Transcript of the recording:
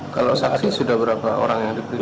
kalau saksi sudah berapa orang yang diperiksa